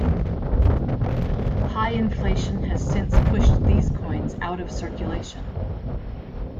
High inflation has since pushed these coins out of circulation.